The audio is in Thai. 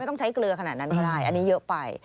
ต้องใช้เกลือขนาดนั้นก็ได้อันนี้เยอะไป